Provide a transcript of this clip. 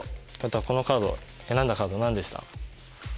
このカード選んだカード何でした？